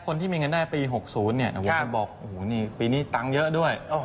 คนที่มีเงินได้ปี๖๐เนี่ยผมก็บอกปีนี้ตังค์เยอะด้วย